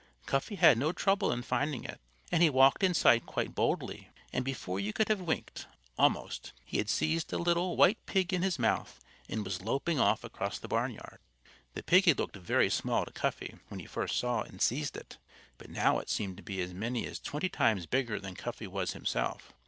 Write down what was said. Cuffy had no trouble in finding it. And he walked inside quite boldly and before you could have winked, almost, he had seized a little, white pig in his mouth and was loping off across the barnyard. The pig had looked very small to Cuffy when he first saw and seized it. But now it seemed to be as many as twenty times bigger than Cuffy was himself.